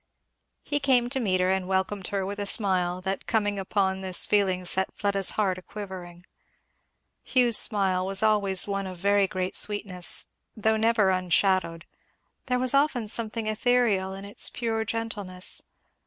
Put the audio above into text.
He came to meet her and welcomed her with a smile that coming upon this feeling set Fleda's heart a quivering. Hugh's smile was always one of very great sweetness, though never unshadowed; there was often something ethereal in its pure gentleness.